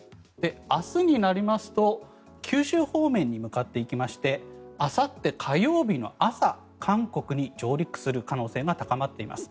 明日になりますと九州方面に向かっていきましてあさって、火曜日の朝韓国に上陸する可能性が高まっています。